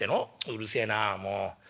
うるせえなもう。